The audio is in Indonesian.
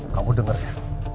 kamu denger ya